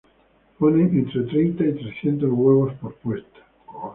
Ponen entre treinta y trescientos huevos por puesta.